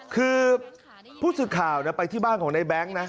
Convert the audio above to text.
คือผู้สื่อข่าวไปที่บ้านของในแบงค์นะ